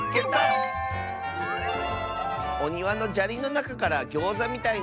「おにわのじゃりのなかからギョーザみたいないしをはっけん！」。